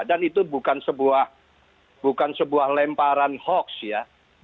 dan itu bukan sebuah lemparan hoax ya